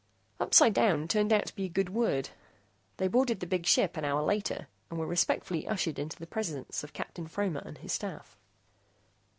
Upsidedown turned out to be a good word. They boarded the big ship an hour later and were respectfully ushered into the presence of Captain Fromer and his staff.